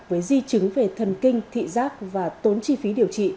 với di chứng về thần kinh thị giác và tốn chi phí điều trị